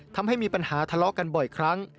ทำให้มีปัญหาทะเลาะกันบ่อยครั้ง